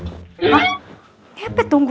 ini apa itu yang tunggu